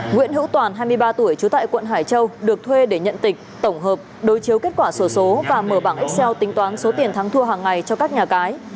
nguyễn hữu toàn hai mươi ba tuổi trú tại quận hải châu được thuê để nhận tịch tổng hợp đối chiếu kết quả sổ số và mở bảng xeo tính toán số tiền thắng thua hàng ngày cho các nhà cái